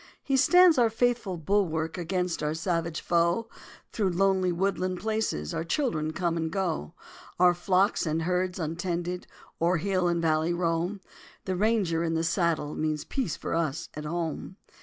He stands our faithful bulwark Against our savage foe; Through lonely woodland places Our children come and go; Our flocks and herds untended O'er hill and valley roam, The Ranger in the saddle Means peace for us at home.